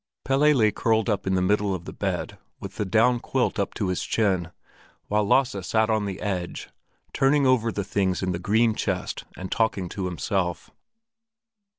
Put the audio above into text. Pelle lay curled up in the middle of the bed with the down quilt up to his chin, while Lasse sat on the edge, turning over the things in the green chest and talking to himself.